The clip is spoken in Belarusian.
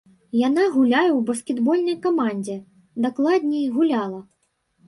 Яна гуляе ў баскетбольнай камандзе, дакладней, гуляла.